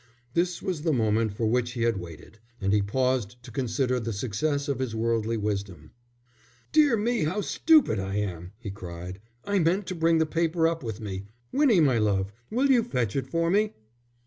This was the moment for which he had waited, and he paused to consider the success of his worldly wisdom. "Dear me, how stupid I am!" he cried. "I meant to bring the paper up with me. Winnie, my love, will you fetch it for me?"